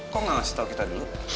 kok gak ngasih tau kita dulu